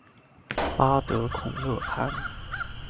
巴德孔勒潘。